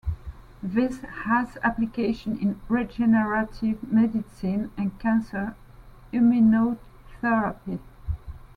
This has applications in regenerative medicine and cancer immunotherapy.